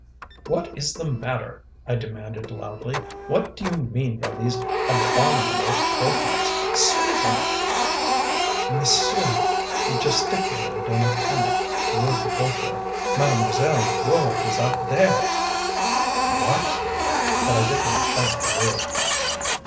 "What is the matter?" I demanded loudly. "What do you mean by these abominable croakings? Speak out!" "Monsieur " he gesticulated in a panic, toward the courtyard. "Mademoiselle Ward is out there." "WHAT!" But I did not shout the word.